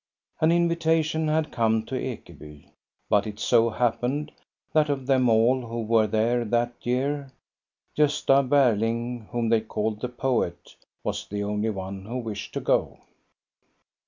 An invitation had come to Ekeby, but it so hap pened that of them all who were there that year, Gosta Berling, whom they called "the poet," was the only one who wished to go.